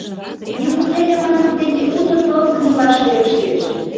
Неужели, манам, тений уто тылзым илаш верештеш?